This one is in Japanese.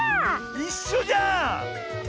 いっしょじゃん！